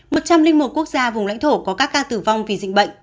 một trăm linh một quốc gia vùng lãnh thổ có các ca tử vong vì dịch bệnh